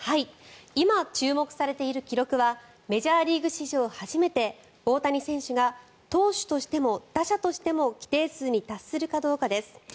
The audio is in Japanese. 今、注目されている記録はメジャーリーグ史上初めて大谷選手が投手としても打者としても規定数に達するかどうかです。